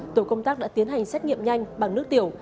tổ công tác đã tiến hành xét nghiệm nhanh bằng nước tiểu